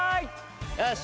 よし！